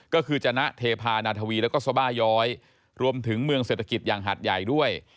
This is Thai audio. ก็คือจนะเทพานาทวีแล้วก็สบาย้อยรวมถึงเมืองเศรษฐกิจอย่างหัดใหญ่ด้วย